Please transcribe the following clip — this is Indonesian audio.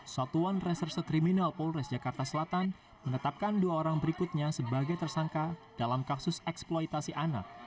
satuan reserse kriminal polres jakarta selatan menetapkan dua orang berikutnya sebagai tersangka dalam kasus eksploitasi anak